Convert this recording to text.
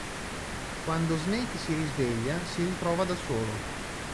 Quando Snake si risveglia, si ritrova da solo.